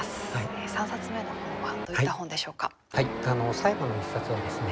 最後の一冊はですね